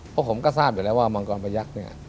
เพราะผมก็ทราบอยู่แล้วว่ามังกรพยักษ์